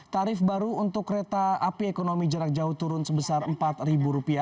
tarif baru untuk kereta api ekonomi jarak jauh turun sebesar rp empat